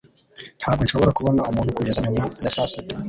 Ntabwo nshobora kubona umuntu kugeza nyuma ya sasita